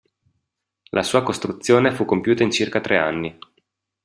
La sua costruzione fu compiuta in circa tre anni.